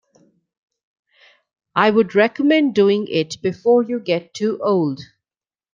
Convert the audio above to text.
I would recommend doing it before you get too old.